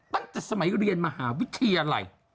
ตั้งแต่สมัยเรียนมหาวิทยาลัย